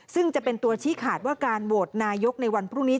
ซึ่งจะเป็นตัวชี้ขาดว่าการโหวตนายกในวันพรุ่งนี้